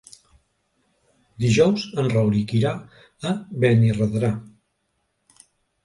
Dijous en Rauric irà a Benirredrà.